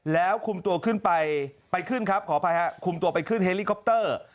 แล้วคุมตัวไปขึ้นเฮลิคอปเตอร์